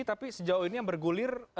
tapi sejauh ini yang bergulir